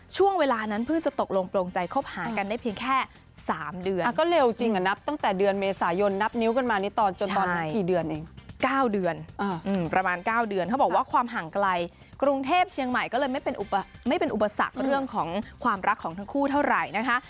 ๙เดือนประมาณ๙เดือนเขาบอกว่าความห่างไกลกรุงเทพเชียงใหม่ก็เลยไม่เป็นอุปสรรคเรื่องของความรักของทั้งคู่เท่าไหร่นะคะ